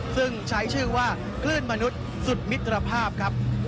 ซึ่งใช้ชื่อว่าคลื่นมนุษย์สุดมิตรภาพครับ